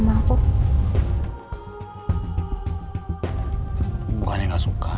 tidak akan terjadi pemberkataan selatan mau bertemu